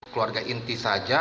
keluarga inti saja